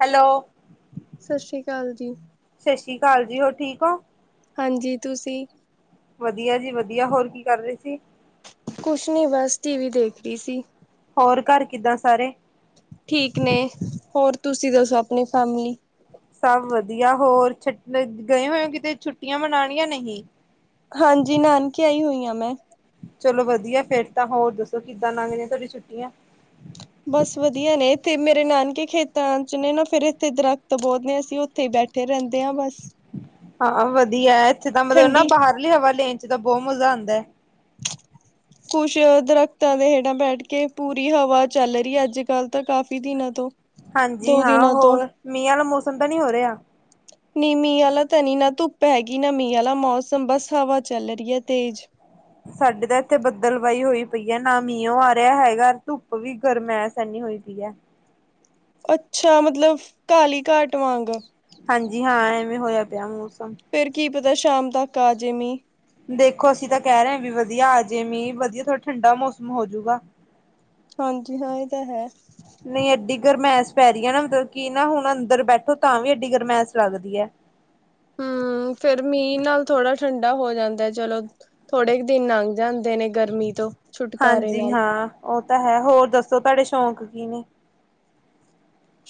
Hello ਚੱਲ ਜੀ ਸਤਿ ਸ਼੍ਰੀ ਅਕਾਲ ਜੀ ਹੋਰ ਠੀਕ ਹੋ ਹਾਂਜੀ ਤੁਸੀਂ ਵਧੀਆ ਜੀ ਵਧੀਆ ਹੋਰ ਕੀ ਕਰ ਰਹੇ ਸੀ ਕੁਛ ਨੀ ਬਸ ਟੀ ਵੀ ਦੇਖ ਰਹੀ ਸੀ। ਹੋਰ ਘਰ ਕਿੱਦਾਂ ਸਾਰੇ? ਠੀਕ ਨੇ ਹੋਰ ਤੁਸੀਂ ਦੱਸੋ ਆਪਣੀ ਫੈਮਲੀ? ਸਭ ਵਧੀਆ, ਹੋਰ ਗਏ ਹੋਏ ਕਿਤੇ ਛੁੱਟੀਆਂ ਮਨਾਉਣੀਆਂ ਨਹੀਂ? ਹਾਂਜੀ, ਨਾਨਕੇ ਆਈ ਹੋਈ ਆ ਮੈਂ। ਚਲੋ ਵਧੀਆ ਫੇਰ ਤਾਂ ਹੋਰ ਦੱਸੋ ਕਿੱਦਾਂ ਲੰਘਦੀਆਂ ਤੁਹਾਡੀ ਛੁੱਟੀਆਂ? ਬਸ ਵਧੀਆ ਨੇ ਇੱਥੇ ਮੇਰੇ ਨਾਨਕੇ ਖੇਤਾਂ ਚ ਨੇ ਨਾ ਫੇਰ ਇੱਥੇ ਦਰਖ਼ਤ ਬਹੁਤ ਨੇ ਅਸੀਂ ਉੱਥੇ ਹੀ ਬੈਠੇ। ਰਹਿੰਦੇ ਆ ਬਸ। ਹਾਂ ਵਧੀਆ, ਇੱਥੇ ਤਾਂ ਮਤਲਬ ਨਾ ਠੰਡੀ ਬਾਹਰਲੀ ਹਵਾ ਲੈਣ ਚ ਤਾਂ ਬਹੁਤ ਮਜ਼ਾ ਆਉਂਦਾ ਹੈ। [inaudible] ਕੁਛ ਦਰਖਤਾਂ ਦੇ ਹੇਠਾਂ ਬੈਠ ਕੇ ਪੂਰੀ ਹਵਾ ਚੱਲ ਰਹੀ ਹੈ ਅੱਜ ਕੱਲ੍ਹ ਤਾਂ ਕਾਫ਼ੀ ਦਿਨਾਂ ਤੋਂ। ਹਾਂਜੀ, ਦੋ ਹਾਂ ਦਿਨਾਂ ਤੋਂ ਹੋਰ ਮੀਹ ਵਾਲਾ ਮੌਸਮ ਤਾਂ ਨਹੀਂ ਹੋ ਰਿਹਾ? ਨੀ ਮੀਂਹ ਆਲਾ ਤੇ ਨਹੀਂ ਨਾ ਧੁੱਪ ਹੈਗੀ ਨਾ ਮੀਂਹ ਆਲਾ ਮੌਸਮ ਬਸ ਹਵਾ ਚੱਲ ਰਹੀ ਹੈ ਤੇਜ਼। ਸਾਡੇ ਤਾਂ ਇੱਥੇ ਬੱਦਲਵਾਈ ਹੋਈ ਪਈ ਹੈ ਨਾ ਮੀਹਓ ਆ ਰਿਹਾ ਹੈਗਾ ਧੁੱਪ ਵੀ ਗਰਮੈਸ਼ ਐਨੀ ਹੋਈ ਪਈ। ਦੀ ਹੈ। ਅੱਛਾ ਮਤਲਬ ਕਾਲੀ ਘਾਟ ਵਾਂਗ। ਹਾਂਜੀ ਹਾਂ, ਐਵੇਂ ਹੋਇਆ ਪਿਆ ਮੂੰਸ। ਫੇਰ ਕੀ ਪਤਾ ਸ਼ਾਮ ਤੱਕ ਆਜੇ ਮੀਂਹ। ਦੇਖੋ ਅਸੀਂ ਤਾਂ ਕਹਿ ਰਹੇ ਹ ਵੀ ਵਧੀਆ ਆ ਜੇ ਮੀਂਹ ਵਧੀਆ ਥੋੜਾ ਠੰਢਾ ਮੌਸਮ ਹੋਜੂਗਾ। ਹਾਂਜੀ ਹਾਂ ਇਹ ਤਾਂ ਹੈ ਨਹੀਂ ਐਡੀ ਗਰਮੈਂਸ਼। ਪੈਰੀਆਂ ਨਾ ਮਤਲਬ ਕਿ ਨਾ ਹੁਣ ਅੰਦਰ ਬੈਠੋ ਤਾਂ ਵੀ ਐਡੀ ਗਰਮੈਸ ਲੱਗਦੀ ਹੈ। ਹਮ ਫੇਰ ਮੀਂਹ ਨਾਲ ਥੋੜਾ ਠੰਡਾ ਹੋ ਜਾਂਦਾ ਚਲੋ ਥੋੜੇ ਕੁ ਦਿਨ ਲੰਘ ਜਾਂਦੇ ਨੇ ਗਰਮੀ ਤੋਂ। ਛੁਟਕਾਰੇ ਹਾਂਜੀ ਨਾਲ ਹਾਂ, ਉਹ ਤਾਂ ਹੈ, ਹੋਰ ਦੱਸੋ ਤੁਹਾਡੇ ਸ਼ੌਕ ਕੀ ਨੇ?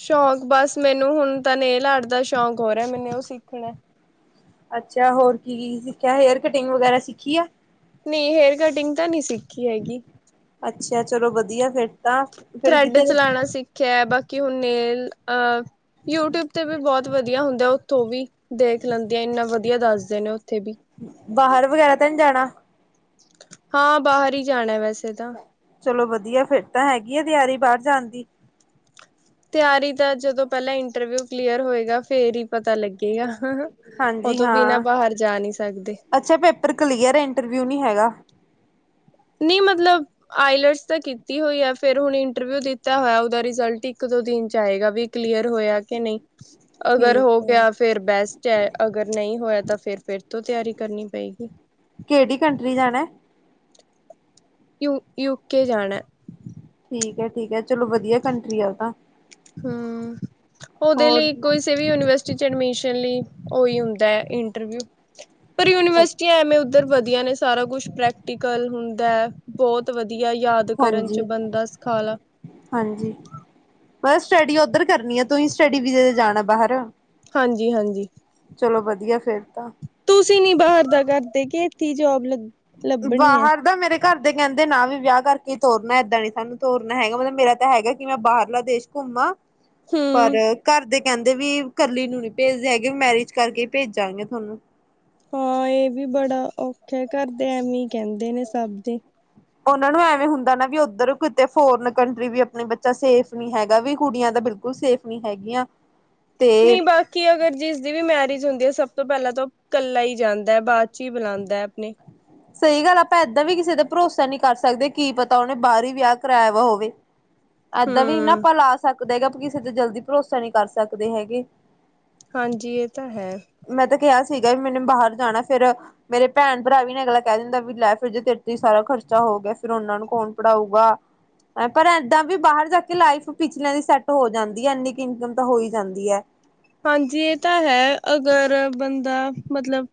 ਸ਼ੌਕ ਬਸ ਮੈਨੂੰ ਹੁਣ ਤਾਂ ਨੇਲ ਦਾ ਆਰਟ ਦਾ ਸ਼ੌਕ ਹੋ ਰਿਹਾ ਹੈ ਮੈਨੂੰ ਉਹ ਸਿੱਖਣਾ। ਅੱਛਾ ਹੋਰ ਕੀ ਕੀ ਸਿੱਖਿਆ ਹੇਅਰ ਕਟਿੰਗ ਵਗੈਰਾ ਸਿੱਖੀ ਆ? ਨਹੀਂ ਹੇਅਰ ਕਟਿੰਗ ਤਾਂ ਨਹੀਂ ਸਿੱਖੀ ਹੈਗੀ ਅੱਛਾ ਚਲੋ ਵਧੀਆ ਫੇਰ। ਥਰੈਡ ਚਲਾਣਾ ਸਿੱਖਿਆ ਬਾਕੀ ਹੁਣ ਨੇਲ ਅ। ਯੂ ਟਿਊਬ ਤੇ ਵੀ ਬਹੁਤ ਵਧੀਆ ਹੁੰਦਾ ਉੱਥੋਂ ਉਹ ਵੀ ਦੇਖ ਲੈਂਦੀ ਆ ਇੰਨਾ ਵਧੀਆ ਦੱਸਦੇ ਨੇ। ਵੀ ਬਾਹਰ ਵਗੈਰਾ ਤੇ ਨਹੀਂ ਜਾਣਾ? ਹਾਂ ਬਾਹਰ ਹੀ ਜਾਣਾ ਹੈ ਵੈਸੇ ਤਾਂ। ਚਲੋ ਵਧੀਆ, ਫਿਰ ਤਾਂ ਹੈਗੀ ਆ ਤਿਆਰੀ ਬਾਹਰ ਜਾਣ ਦੀ। ਤਿਆਰੀ ਦਾ ਜਦੋਂ ਪਹਿਲਾਂ ਇੰਟਰਵਿਊ ਕਲੀਅਰ ਹੋਏਗਾ। ਫੇਰ ਹੀ ਪਤਾ ਲੱਗੇਗਾ। ਉਹ ਹਾਂਜੀ ਤੋਂ ਬਿਨਾਂ ਹਾਂ, ਬਾਹਰ ਜਾ ਨਹੀਂ ਸਕਦੇ ਅੱਛਾ ਪੇਪਰ ਕਲੀਅਰ ਇੰਟਰਵਿਊ ਨੀ ਹੈਗਾ। ਨਹੀਂ ਮਤਲਬ ਆਈਲਟਸ ਤਾਂ ਕੀਤੀ ਹੋਈ ਆ ਫਿਰ ਹੁਣ ਇੰਟਰਵਿਊ ਦਿੱਤਾ ਹੋਇਆ ਓਦਾ ਰਿਜਲਟ ਇੱਕ। ਦੋ ਦਿਨ ਚ ਆਏਗਾ ਵੀ ਕਲੀਅਰ ਹੋਇਆ ਕਿ ਨਹੀਂ। [inaudible] ਅਗਰ ਹੋ ਹੈ ਗਿਆ ਫਿਰਬੈਸਟ ਹੈ। ਅਗਰ ਨਹੀਂ ਹੋਇਆ ਤਾਂ ਫਿਰ -ਫਿਰ ਤੋਂ ਤਿਆਰੀ ਕਰਨੀ ਪਏਗੀ। ਕਿਹੜੀ ਕੰਟਰੀ ਜਾਣਾ? ਯੂ -ਯੂ ਕੇ ਜਾਣਾ। ਠੀਕ ਹੈ ਠੀਕ ਹੈ ਚਲੋ ਵਧੀਆ ਕੰਟਰੀ ਆ ਉਹ ਤਾਂ ਹਮ ਉਹਦੇ ਹੋਰ ਲਈ ਕੋਈ ਸੇ ਵੀ ਯੂਨੀਵ ਐਡਮਿਸ਼ਨ ਲਈ ਉਹੀ ਹੁੰਦਾ ਹੈ ਇੰਟਰਵਿਊ। ਪਰ ਯੂਨੀਵਰਸਿਟੀਆਂ ਐਵੇਂ ਉਧਰ ਵਧੀਆ ਨੇ ਸਾਰਾ ਕੁਛ ਪ੍ਰੈਕ। ਗੱਲ ਹੁੰਦਾ ਹੈ ਬਹੁਤ ਵਧੀਆ ਯਾਦ ਕਰਨ ਚ ਹਾਂਜੀ ਬੰਦਾ ਸਖਾਲਾ। ਹਾਂਜੀ ਬਸ ਸਟੱਡੀ ਓਧਰ ਕਰਨੀ ਆ ਤੁਸੀ ਸਟੱਡੀ ਵੀਜੇ ਤੇ ਜਾਣਾ ਬਾਹਰ। ਹਾਂਜੀ- ਹਾਂਜੀ ਚਲੋ ਵਧੀਆ ਫੇਰ ਤਾਂ ਤੁਸੀਂ ਨੀ ਬਾਹਰ ਦਾ ਕਰਦੇ ਕਿ? ਕੀ ਜੋਬ ਲੱਗੀ? ਬਾਹਰ ਦਾ ਮੇਰੇ ਘਰ ਦੇ ਕਹਿੰਦੇ। ਦੇ ਨਾ ਵੀ ਵਿਆਹ ਕਰਕੇ ਤੋਰਨਾ ਏਦਾਂ ਨੀ ਸਾਨੂੰ ਤੋਰਨਾ ਹੈਗਾ ।ਮਤਲਬ ਮੇਰਾ ਤਾਂ ਹੈਗਾ ਕਿ ਮੈਂ ਬਾਹਰਲਾ ਦੇਸ਼ ਘੁੰਮਾ। ਪਰ ਹਮ। ਘਰ ਦੇ ਕਹਿੰਦੇ ਵੀ ਇਕੱਲੀ ਨੂੰ ਨੀ ਭੇਜਦੇ ਹੈਗੇ ਮੈਰਿਜ ਕਰਕੇ ਭੇਜਾਂਗੇ ਤੁਹਾਨੂੰ ਹਾਂ ਇਹ ਵੀ ਬੜਾ ਔਖਾ ਘਰ ਦੇ ਐਵੇਂ ਕਹਿੰਦੇ ਨੇ ਸਭ ਦੇ ਉਹਨਾਂ ਨੂੰ ਐਵੇਂ ਹੁੰਦਾ ਨਾ ਵੀ ਉੱਧਰ ਕਿਤੇ ਫੋਰਨ ਕੰਟਰੀ ਵੀ ਆਪਣੇ ਬੱਚਾ ਸੇਫ ਨਹੀਂ ਹੈਗਾ ਵੀ ਕੁੜੀਆਂ ਤਾਂ ਬਿਲਕੁਲ ਸੇਫ ਨਹੀਂ ਹੈਗੀਆਂ ਤੇ ਨਹੀਂ ਬਾਕੀ ਅਗਰ ਜਿਸ ਦੀ ਵੀ ਮੈਰਿਜ ਹੁੰਦੀ ਆ ਸਬ ਤੋਂ ਪਹਿਲਾਂ ਤਾਂ ਉਹ ਕੱਲਾ ਹੀ ਜਾਂਦਾ ਹੈ ਬਾਅਦ ਚ ਹੀ ਬੁਲਾਉਂਦਾ ਹੈ ਸਹੀ ਗੱਲ ਆ ਆਪਾਂ ਇੱਦਾਂ ਵੀ ਕਿਸੇ ਦੇ ਭਰੋਸਾ ਨਹੀਂ ਕਰ ਸਕਦੇ ਕੀ ਪਤਾ ਉਹਨੇ ਬਾਹਰ ਹੀ ਵਿਆਹ ਕਰਾਇਆ ਵਾ ਹੋਵੇ ਏਦਾਂ ਵੀ ਨਾ ਹਮ ਆਪਾਂ ਲਾ ਸਕਦਾ ਹੈਗਾ ਵੀ ਕਿਸੇ ਤੇ ਜਲਦੀ ਭਰੋਸਾ ਨਹੀਂ ਕਰ ਸਕਦੇ ਹੈਗੇ ਹਾਂਜੀ ਇਹ ਤਾਂ ਹੈ ਮੈਂ ਤਾਂ ਕਿਹਾ ਸੀਗਾ ਵੀ ਮੈਨੂੰ ਬਾਹਰ ਜਾਣਾ ਫੇਿਰ ਮੇਰੇ ਭੈਣ ਭਰਾ ਵੀ ਨ ਅਗਲਾ ਕਹਿ ਦਿੰਦਾ ਵੀ ਲੈ ਫਿਰ ਜੇ ਤੇਰੇ ਤੇ ਸਾਰਾ ਖਰਚਾ ਹੋ ਗਿਆ ਫਿਰ ਉਹਨਾਂ ਨੂੰ ਕੌਣ ਪੜ੍ਹਾਊਗਾ ਪਰ ਏਦਾਂ ਵੀ ਬਾਹਰ ਜਾਕੇ ਲਾਈਫ ਪਿਛਲਿਆਂ ਦੀ ਸੈਟ ਹੋ ਜਾਂਦੀ ਹੈ ਇੰਨੀ ਇਨਕਮ ਤਾ ਹੋਈ ਜਾਂਦੀ ਹੈ ਹਾਂਜੀ ਇਹ ਤਾਂ ਹੈ ਅਗਰ ਬੰਦਾ ਮਤਲਬ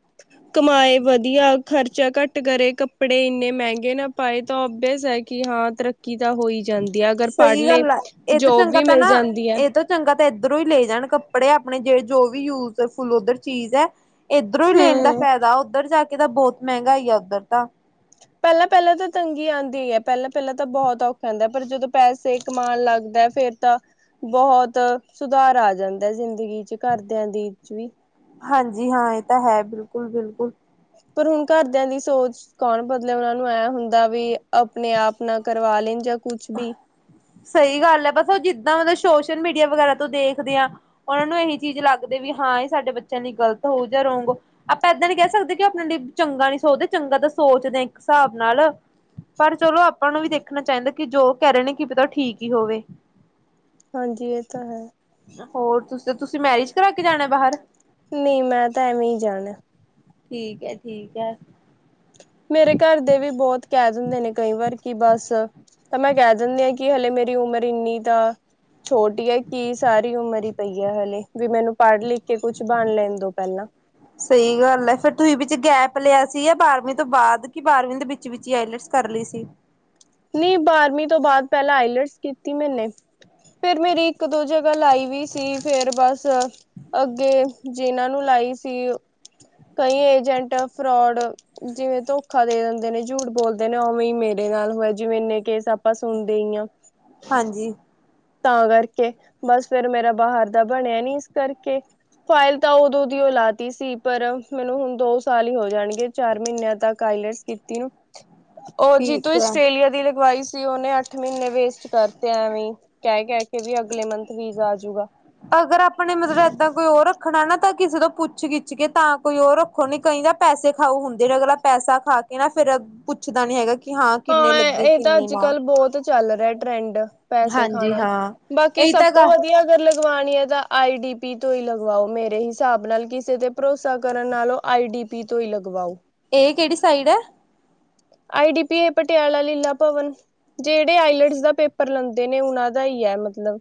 ਕਮਾਏ ਵਧੀਆ ਖਰਚਾ ਘੱਟ ਕਰੇ ਕੱਪੜੇ ਇੰਨੇ ਮਹਿੰਗੇ ਗੇ ਨਾ ਪਾਏ ਤਾਂ ਬੇਅਸ ਹੈ ਕਿ ਹਾਂ ਤਰੱਕੀ ਤਾਂ ਹੋਈ ਜਾਂਦੀ ਹੈ ਅਗਰ ਪੜ੍ਹ ਸਹੀ ਲਏ ਗੱਲ ਆ ਇਹ ਤੋਂ ਜੋਬ ਚੰਗਾ ਵੀ ਤਾਂ ਮਿਲ ਨਾ ਜਾਂਦੀ ਹੈ ਇਹ ਤੋਂ ਚੰਗਾ ਇੱਧਰੋਂ ਹੀ ਲੈ ਜਾਣ ਕੱਪੜੇ ਆਪਣੇ ਜਿਵੇਂ ਜੋ ਵੀ ਯੂਜ ਫੁਲ ਉਧਰ ਚੀਜ਼ ਹੈ ਇੱਧਰੋਂ ਹੀ ਲੈਣ ਦਾ ਹਮ ਫਾਇਦਾ ਉੱਧਰ ਜਾ ਕੇ ਤਾਂ ਬਹੁਤ ਮਹਿੰਗਾ ਆ ਉੱਧਰ ਤਾਂ। ਪਹਿਲਾਂ ਪਹਿਲਾਂ ਤਾਂ ਤੰਗੀ ਆਉਂਦੀ ਪਹਿਲਾਂ ਪਹਿਲਾਂ ਤਾਂ ਬਹੁਤ ਔਖਾ ਹੁੰਦਾ ਪਰ ਜਦੋਂ ਪੈਸੇ ਕਮਾਉਣ ਲੱਗ। ਫੇਰ ਤਾਂ ਬਹੁਤ ਸੁਧਾਰ ਆ ਜਾਂਦਾ ਜ਼ਿੰਦਗੀ ਚ ਘਰਦੀਆ ਦੇ ਵੀ। ਹਾਂਜੀ ਹਾਂ, ਇਹ ਤਾਂ ਹੈ, ਬਿਲਕੁਲ ਬਿਲਕੁਲ। ਪਰ ਹੁਣ ਘਰਦਿਆਂ ਦੀ ਸੋਚ ਕੌਣ ਬਦਲਿਆ ਉਹਨਾਂ ਨੂੰ ਐ ਹੁੰਦਾ ਵੀ ਆਪਣੇ ਆਪ ਨਾ ਕਰਵਾ ਲੈਣ ਜਾਂ। ਕੁਛ ਵੀ ਸਹੀ ਗੱਲ ਹੈ ਬਸ ਉਹ ਜਿੱਦਾਂ ਮਤਲਬ। ਸੋਸ਼ਲ ਮੀਡੀਆ ਵਗੈਰਾ ਤੋਂ ਦੇਖਦੇ ਆਾਂ ਉਹਨਾਂ ਨੂੰ ਇਹੀ ਚੀਜ਼ ਲੱਗਦੇ ਵੀ ਹਾਂ ਇਹ ਸਾਡੇ ਬੱਚਿਆਂ ਨ ਗ਼ਲਤ ਹੋਊ ਜਾ। ੋ ਆਪਾਂ ਏਦਾਂ ਨੀ ਕਹਿ ਸਕਦੇ ਕਿ ਆਪਣੇ ਲਈ ਚੰਗਾ ਨੀ ਸੋਚਦੇ ਚੰਗਾ ਤਾਂ ਸੋਚਦੇ ਇੱਕ ਹਿਸਾਬ ਨਾਲ। ਪਰ ਚਲੋ ਆਪਾਂ ਨੂੰ ਵੀ ਦੇਖਣਾ ਚਾਹੀਦਾ ਕਿ ਜੋ ਕਹਿ ਰਹੇ ਨੇ ਕਿ ਪਤਾ ਠੀਕ ਹੀ ਹੋਵੇ ਹਾਂਜੀ ਇਹ ਤਾਂ ਹੈ। ਤੇ ਤੁਸੀਂ ਮੈਰਿਜ ਕਰਾ ਕੇ ਜਾਣਾ ਬਾਹਰ। ਨਹੀਂ ਮੈਂ ਤਾਂ ਐਵੇਂ ਹੀ ਜਾਣਾ ਠੀਕ ਹੈ ਠੀਕ ਹੈ। ਮੇਰੇ ਘਰ ਦੇ ਵੀ ਬਹੁਤ ਕਹਿ ਦਿੰਦੇ ਨੇ ਕਈ ਵਾਰ ਕਿ ਬਸ। ਤਾਂ ਮੈਂ ਕਹਿ ਦਿੰਦੀ ਹਾਂ ਕਿ ਹਲੇ ਮੇਰੀ ਉਮਰ ਇੰਨੀ ਤ। ਛੋਟੀ ਹੈ ਕੀ ਸਾਰੀ ਉਮਰ ਹੀ ਪਈ ਹੈ ਹਲੇ। ਵੀ ਮੈਨੂੰ ਪੜ੍ਹ ਲਿਖ ਕੇ ਕੁਛ ਬਣ ਲੈਣ ਦੋ ਪਹਿਲਾਂ। ਧਾਰ ਲਿਆ ਸੀ ਬਾਰਵੀਂ ਤੋਂ ਬਾਅਦ ਕਿ ਬਾਰਵੀਂ ਦੇ ਵਿੱਚ ਵਿੱਚ ਹੀ ਆਈਲੈਟਸ ਕਰ ਲਈ ਸੀ ਨਹੀਂ ਬਾਰਵੀਂ ਤੋਂ ਬਾਅਦ ਪਹਿਲਾਂ ਆਈਲਟਸ ਕੀਤੀ ਮੈਨੇ। ਫੇਰ ਮੇਰੀ ਇੱਕ ਦੋ ਜਗ੍ਹਾ ਲਾਈ ਵੀ ਸੀ ਫੇਰ ਬਸ ਅੱਗੇ ਜਿਨਾਂ ਨੂੰ ਲ। ਆਈ ਸੀ। ਕਈ ਏਜੰਟ ਫਰੋਡ ਜਿਵੇਂ ਧੋਖਾ ਦੇ ਦਿੰਦੇ ਨੇ ਝੂਠ ਬੋਲਦੇ ਨੇ ਉਵੇਂ ਮੇ। ਸਾਡੇ ਨਾਲ ਹੋਇਆ ਜਿਵੇਂ ਇੰਨੇ ਕੇਸ ਆਪਾਂ ਸੁਣਦੇ ਹੀ ਆਾਂ। ਹਾਂਜੀ। ਤਾਂ ਕਰਕੇ ਬਸ ਫੇਰ ਮੇਰਾ ਬਾਹਰ ਦਾ ਬਣਿਆ ਨੀ ਇਸ ਕਰਕੇ। ਫਾਈਲ ਤਾਂ ਉਦੋਂ ਦੀਓ ਲਾ ਤ ਸੀ ਪਰ ਮੈਨੂੰ ਹੁਣ ਦੋ ਸਾਲ ਹੀ ਹੋ ਜਾਣਗੇ ਚਾਰ ਮਹੀਨਿਆਂ ਤੱਕ। ਆਈਲੈਟਸ ਕੀਤੀ ਨੂੰ। ਉਹ ਜੀਤੂੰ ਠੀਕ ਹੈ। ਆਸਟ੍ਰੇਲੀਆ ਦੀ ਲਗਵਾਈ ਸੀ ਉਹਹਨੇ ਅੱਠ ਮਹੀਨੇ ਵੇਸਟ ਕਰਤੇ ਐਵੇਂ। ਕਹਿ ਕਹਿ ਕੇ ਵੀ ਅਗਲੇ ਮੰਥ ਵੀਜ਼ਾ ਆਜੂਗਾ। ਅਗਰ ਆਪਣੇ ਮਤਲਬ ਏਦਾਂ ਕੋਈ ਉਹ ਰੱਖਣਾ ਨਾ। ਤਾਂ ਕਿਸੇ ਤੋਂ ਪੁੱਛ ਗਿਛ ਕੇ ਤਾਂ ਕੋਈ ਉਹ ਰੱਖੋ ਨੀ ਕਈਦਾ ਪੈਸੇ ਖਾਓ ਹੁੰਦੇ ਨੇ ਅਗਲਾ ਪੈਸਾ ਖਾ ਕੇ ਨਾ ਫਿਰ। ਫਿਰ ਪੁੱਛਦਾ ਨੀ ਹੈਗਾ। ਕਿ ਕਿੰਨੇ ਹਾਂ ਲੱਗੇ ਇਹ ਤਾਂ ਕਿੰਨੇ ਅੱਜ ਨਾ ਕੱਲ ਬਹੁਤ ਚੱਲ ਰਿਹਾ ਟਰੈਂਡ ਪੈਸੇ ਹਾਂਜੀ ਖਾਣ। ਹਾਂ। ਬਾਕੀ ਇਹੀ ਸਭ ਤਾਂ ਤੋਂ ਗ ਵਧੀਆ ਅਗਰ। ਲਗਵਾਣੀ ਦਾ ਆਈ ਡੀ ਪੀ ਤੋਂ ਹੀ ਲਗਵਾਓ ਮੇਰੇ ਹਿਸਾਬ ਨਾਲ ਕਿਸੇ ਤੇ ਭਰੋਸਾ ਕਰਨ ਨਾਲੋਂ ਆਈ ਡੀ ਟੀ ਪੀ ਤੋਂ ਹੀ ਲਗਵਾਓ ਇਹ ਕਿਹੜੀ ਸਾਈਡ ਹੈ। ਆਈ ਡੀ ਪੀ ਹੈ ਪਟਿਆਲਾ ਲੀਲਾ ਭਵਨ। ਜਿਹੜੇ ਆਈਲਟਸ ਦਾ ਪੇਪਰ ਲੈਂਦੇ ਨੇ ਉਹਨਾਂ ਦਾ ਹੀ ਹੈ ਮਤਲਬ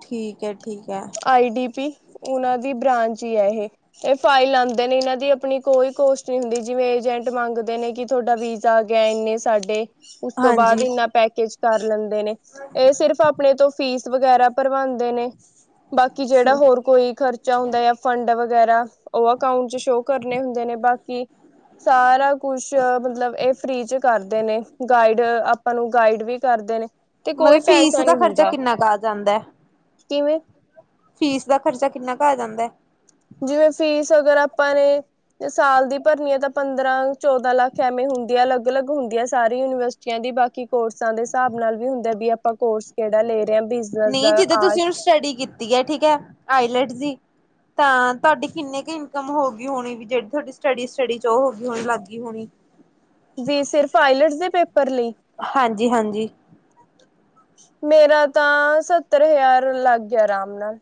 ਠੀਕ ਹੈ ਠੀਕ ਹੈ। ਆਈ ਡੀ ਪੀ ਉਹਨਾਂ ਦੀ ਬ੍ਰਾਂਚ ਹੀ ਹੈ ਇਹ ਇਹ ਫਾਈਲ ਆਉਂਦੇ ਨੇ ਇਹਨਾਂ ਦੀ ਆਪਣੀ ਕੋਈ ਕੋਸਟ ਨਹੀਂ ਹੁੰਦੀ ਜਿਵੇਂ ਏਜਟ ਮੰਗਦੇ ਨੇ ਕਿ ਤੁਹਾਡਾ ਵੀਜ਼ਾ ਆ ਗਿਆ ਇੰਨੇ ਸਾਡੇ ਉਸ ਤੋਂ ਬਾਅਦ ਇੰਨਾ ਹਾਂਜੀ। ਪੈਕੇਜ ਕਰ ਲੈਂਦੇ ਨੇ ਇਹ ਸਿਰਫ ਆਪਣੇ ਤੋਂ ਫੀਸ ਵਗੈਰਾ ਭਰਵਾਾਂਦੇ ਨੇ ਬਾਕੀ ਜਿਹੜਾ ਹੋਰ ਕੋਈ ਖਰਚਾ ਹੁੰਦਾ ਜਾਂ ਫੰਡ ਵਗੈਰਾ ਉਹ ਅਕਾਉਂਟ ਚ ਸ਼ੋਅ ਕਰਨੇ ਹੁੰਦੇ ਨੇ। ਬਾਕੀ ਸਾਰਾ ਕੁਛ ਮਤਲਬ ਇਹ। ਫ੍ਰਰੀ ਚ ਕਰਦੇ ਨੇ ਗਾਈਡ ਆਪਾਂ ਨੂੰ ਗਾਈਡ ਵੀ ਕਰਦੇ ਨੇ ਤੇ ਕੋਈ ਮਤਲਬ ਫੀਸ ਪੈਸਾ ਦਾ ਨਹੀਂ ਖ਼ਰਚਾ ਹੁੰਦਾ ਕਿੰਨਾ ਕੁ ਆ ਜਾਂਦਾ ਹੈ। ਕਿਵੇਂ ਫੀਸ ਦਾ ਖਰਚਾ ਕਿੰਨਾ ਕੁ ਆ ਜਾਂਦਾ। ਜਿਵੇਂ ਫੀਸ ਅਗਰ ਆਪਾਂ ਨੇ ਸਾਲ ਦੀ ਭਰਨੀ ਹੈ ।ਤਾਂ ਪੰਦਰਾਂ ਚੌਦਾਂ ਲੱਖ ਐਵੇਂ ਹੁੰਦੀ ਆ ਅਲੱਗ ਅਲੱਗ ਹੁੰਦੀ ਹੈ ।ਸਾਰੀ ਯੂਨੀਵਰਸਿਟੀਆਂ ਦੀ ਬਾਕੀ ਕੋਰਸਾਂ ਦੇ ਹਿਸਾਬ ਨਾਲ ਵੀ ਹੁੰਦਾ ਵੀ ਆਪਾਂ ਕੋਰਸ ਕਿਹੜਾ ਲੈ ਰਹੇ ਹਾਂ ਬਿਜਨਸ ਨਹੀਂ ਦਾ ਜਿੱਦਾਂ ਤੁਸੀਂ ਹੁਣ ਆਰਟਸ ਸਟੱਡੀ ਕੀਤੀ ਹੈ ਠੀਕ ਹੈ ਆਈਲੈਟਸ ਦੀ ਤਾਂ ਤੁਹਾਡੀ ਕਿੰਨੀ ਕੁ ਇਨਕਮ ਹੋ ਗਈ ਹੋਣੀ ਵੀ ਜਿਹੜੀ ਤੁਹਾਡੀ ਸਟੱਡੀ ਸਟਡੀ ਚ ਉਹ ਹੋ ਗਈ ਹੋਣੀ ਲੱਗ ਗਈ ਹੋਣੀ ਜੀ ਸਿਰਫ ਆਈਲਟਸ ਦੇ ਪੇਪਰ। ਲਈ ਹਾਂਜੀ ਹਾਂਜੀ। ਮੇਰਾ ਤਾਂ ਸੱਤਰ ਹਜ਼ਾਰ ਲੱਗ ਗਿਆ ਆਰਾਮ ਨਾਲ।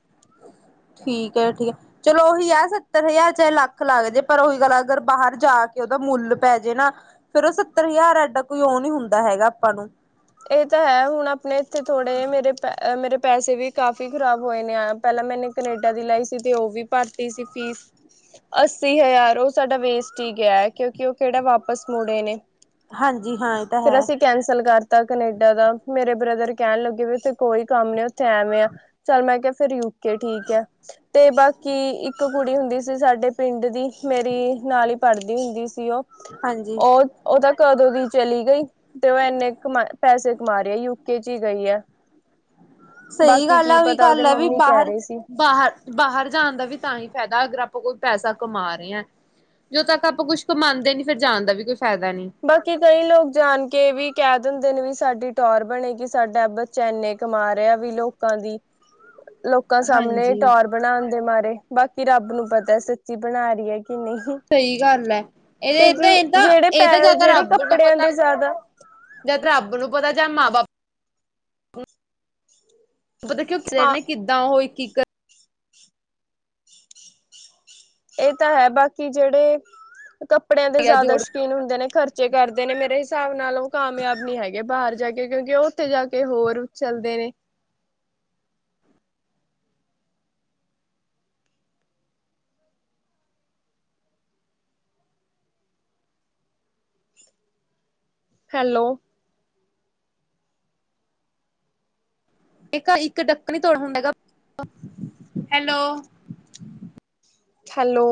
ਠੀਕ ਹੈ ਠੀਕ ਹੈ ਚਲੋ ਉਹੀ ਹੈ ਸੱਤਰ ਹਜ਼ਾਰ ਚਾਹੇ ਲੱਖ ਲੱਗ ਜੇ ਪਰ ਉਹੀ ਗੱਲ ਅਗਰ ਬਾਹਰ ਜਾ ਕੇ ਉਹਦਾ ਮੁੱਲ ਪੈ ਜੇ ਨਾ ਫੇਰ ਉਹ ਸੱਤਰ ਹਜ਼ਾਰ ਐਡਾ ਕੋਈ ਉਹ ਨੀ ਹੁੰਦਾ ਹੈਗਾ ਆਪਾਂ ਨੂੰ ਇਹ ਤਾਂ ਹੈ ਹੁਣ ਆਪਣੇ ਇੱਥੇ ਥੋੜੇ ਮੇਰੇ ਪ ਮੇਰੇ ਪੈਸੇ ਵੀ ਕਾਫ਼ੀ ਖ਼ਰਾਬ ਹੋਏ ਨੇ ਆ ਪਹਿਲਾਂ ਮੈਨੇ ਕਨੇਡਾ ਦੀ ਲਾਈ ਸੀ ਤੇ ਉਹ ਵੀ ਭਰਤੀ ਸੀ ਫੀਸ ਅੱਸੀ ਹਜ਼ਾਰ ਉਹ ਸਾਡਾ ਵੇਸਟ ਹੀ ਗਿਆ ਹੈ। ਕਿਉਂਕਿ ਉਹ ਕਿਹੜਾ ਵਾਪਸ ਮੁੜੇ ਨੇ। ਹਾਂਜੀ ਹਾਂ ਇਹ ਤਾਂ ਫਿਰ ਹੈ ਅਸੀਂ ਕੈਂਸਲ ਕਰ ਤਾਂ ਕਨੇਡਾ ਦਾ ਮੇਰੇ ਬ੍ਰਦਰ ਕਹਿਣ ਲੱਗੇ ਵੀ ਉੱਥੇ ਕੋਈ ਕੰਮ ਨ ਉੱਥੇ ਐਵੇਂ ਆ ਚੱਲ ਮੈਂ ਕਿਹਾ ਫਿਰੂ ਓ ਠੀਕ ਹੈ ਤੇ ਬਾਕੀ ਇੱਕ ਕੁੜੀ ਹੁੰਦੀ ਸੀ। ਸਾਡੇ ਪਿੰਡ ਦੀ ਮੇਰੀ ਨਾਲ ਪੜ੍ਹਦੀ ਹੁੰਦੀ ਸੀ। ਉਹ ਹਾਂਜੀ। ਉਹ ਉਹ ਤਾਂ ਕਦੋਂ ਦੀ ਚਲੀ ਗਈ ਤੇ ਉਹ ਇੰਨੇ ਮਾਰਿਆ ਯੂਕੇ ਚ ਹੀ ਗਈ ਹੈ। ਸਹੀ ਬਾਕੀ ਗੱਲ ਆ ਕੀ ਉਹੀ ਪਤਾ ਉਹਦੇ ਗੱਲ ਹੈ। ਵੀ ਮੰਮੀ ਕਹਿ ਬਾਹਰ ਰਹੇ ਸੀ ਬਾਹਰ ਬਾਹਰ ਜਾਣ ਦਾ ਵੀ ਤਾਂ ਹੀ ਫਾਇਦਾ ਅਗਰ ਆਪਾਂ ਆਪ ਕੋਈ ਪੈਸਾ ਕਮਾ ਰਹੇ ਹਾਂ ਜਦੋਂ ਤੱਕ ਆਪਾਂ ਕੁੱਛ ਕਮਾਉਂਦੇ ਨੀ ਫਿਰ ਜਾਣਦਾ ਵੀ ਕੁਛ ਬਾਕੀ ਕਈ ਲੋਕ ਜਾਣ ਕੇ ਵੀ ਕਹਿ ਦਿੰਦੇ ਨੇ ਵੀ। ਸਾਡੀ ਟੋਰ ਬਣੇਗੀ ਸਾਡਾ ਬੱਚਾ ਇੰਨੇ ਕਮਾ ਰਿਹਾ ਵੀ ਲੋਕਾਂ ਦੀ ਲੋਕਾਂ ਸਾਹਮਣੇ ਹਾਂਜੀ ਟਰ ਬਣਾਉਣ ਦੇ ਮਾਰੇ ਬਾਕੀ ਰੱਬ ਨੂੰ ਪਤਾ ਸੱਚੀ ਬਣਾ ਰਹੀ ਹੈ। ਕਿ ਨਹੀਂ ਸਹੀ ਗੱਲ ਹੈ ਇਹਦੇ ਤਾਂ ਕਿਉਂਕਿ ਇਹਦਾ ਜਿਹੜੇ ਇਹ ਪੈ ਜਾ ਤਾਂ ਜਿਹੜੇ ਰੱਬ ਨੂੰ ਕੱਪੜਿਆਂ ਪਤਾ ਦੇ ਜ਼ਿਆਦਾ ਜਾਂ ਤਾਂ ਰੱਬ ਨੂੰ ਪਤਾ ਜਾਂ ਮਾਂ ਬਾਪ ਨੂੰ ਪਤਾ ਕਿਉਂ ਹਾਂ ਨੇ ਕਿੱਦਾਂ ਹੋਏ ਇਕ ਇਕ ਇਹ ਤਾਂ ਹੈ ਬਾਕੀ ਜਿਹੜੇ ਕੱਪੜਿਆਂ ਦੇ ਰੁਪਇਆ ਜ਼ਿਆਦਾ ਜੋੜ ਸ਼ੌਕੀਨ ਹੁੰਦੇ ਨੇ ਖਰਚੇ ਕਰਦੇ ਨੇ ਮੇਰੇ ਹਿਸਾਬ ਨਾਲ ਉਹ ਕਾਮਯਾਬ ਨੀ ਹੈਗੇ ਬਾਹਰ ਜਾ ਕੇ ਕਿਉਂਕਿ ਉਹ ਉੱਥੇ ਜਾ ਕੇ ਹੋਰ ਚੱਲਦੇ ਨੇ [inaudible] ਹੈਲੋ। ਇੱਕ ਇੱਕ ਡੱਕ ਨੀ ਤੋੜ ਹੁੰਦਾ ਹੈਗਾ ਹੈਲੋ ਹੈਲੋ